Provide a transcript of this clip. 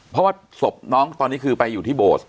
เพราะว่าศพน้องตอนนี้คือไปอยู่ที่โบสถ์